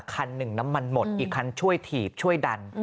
คันหนึ่งน้ำมันหมดอีกคันช่วยถีบช่วยดัน